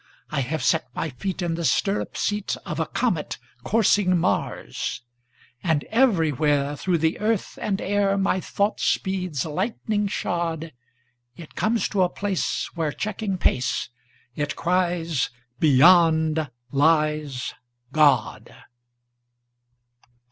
I have set my feet in the stirrup seatOf a comet coursing Mars.And everywhereThro' the earth and airMy thought speeds, lightning shod, It comes to a place where checking paceIt cries, "Beyond lies God!"